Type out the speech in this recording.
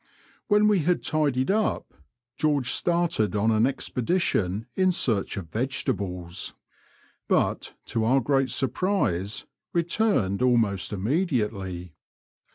When we had tidied up, George started on an expedition in search of vegetables, but, to our great surprise, returned almost immediately.